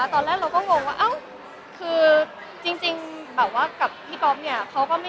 อเรนนี่อื้มเขาก็มีคนคุยอยู่แล้วไง